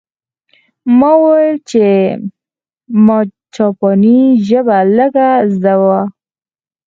ما وویل چې ما جاپاني ژبه لږه زده وه